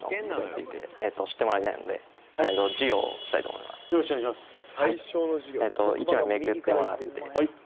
そこでよろしくお願いします